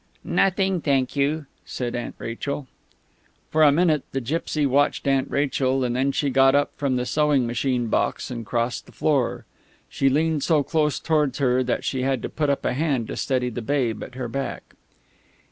"Nothing, thank you," said Aunt Rachel. For a minute the gipsy watched Aunt Rachel, and then she got up from the sewing machine box and crossed the floor. She leaned so close towards her that she had to put up a hand to steady the babe at her back.